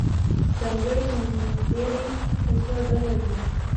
ځانګړي نومځري په څو ډوله دي.